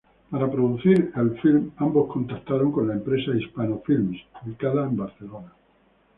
Para producir el filme, ambos contactaron con la empresa Hispano Films, ubicada en Barcelona.